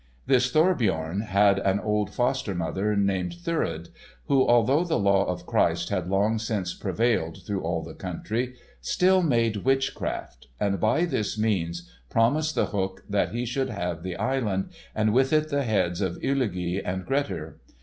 This Thorbjorn had an old foster mother named Thurid, who, although the law of Christ had long since prevailed through all the country, still made witchcraft, and by this means promised The Hook that he should have the island, and with it the heads of Illugi and Grettir.